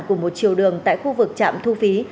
của một chiều đường tại khu vực trạm thu phí